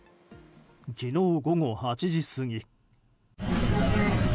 昨日午後８時過ぎ。